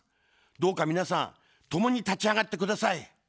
どうか皆さん、共に立ち上がってください。